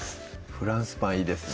フランスパンいいですね